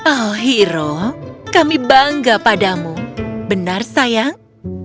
oh hero kami bangga padamu benar sayang